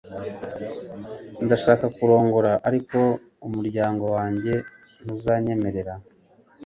Ndashaka kurongora ariko umuryango wanjye ntuzanyemerera